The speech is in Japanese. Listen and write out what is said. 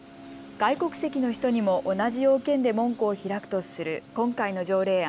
外国籍の人にも同じ要件で門戸を開くとする今回の条例案。